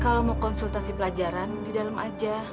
kalau mau konsultasi pelajaran di dalam aja